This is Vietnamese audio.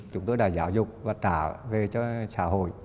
chúng tôi đã giáo dục và trả về cho xã hội